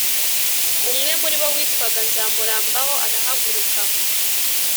umwe muri bo witwaga nzamurambaho arahaguruka